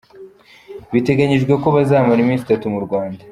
Biteganyijwe ko bazamara iminsi itatu mu Rwanda.